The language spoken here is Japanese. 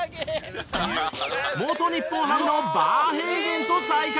元日本ハムのバーヘイゲンと再会！